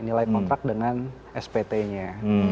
nilai kontrak dengan spt nya